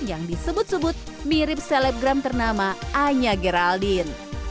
yang disebut sebut mirip selebgram ternama anya geraldin